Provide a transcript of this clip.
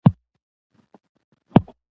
پښتانه وايي چې ښځې هم د دوی په څېر انسانان دي.